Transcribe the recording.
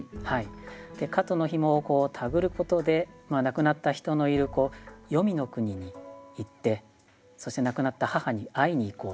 で蝌蚪の紐を手繰ることで亡くなった人のいるよみの国に行ってそして亡くなった母に会いに行こうという。